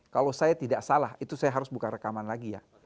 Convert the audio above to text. kalau saya tidak salah itu saya harus buka rekaman lagi ya